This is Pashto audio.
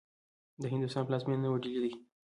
د هندوستان پلازمېنه نوې ډيلې دې.